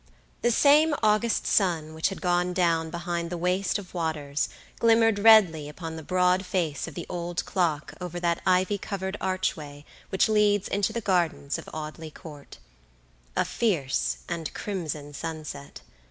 The same August sun which had gone down behind the waste of waters glimmered redly upon the broad face of the old clock over that ivy covered archway which leads into the gardens of Audley Court. A fierce and crimson sunset.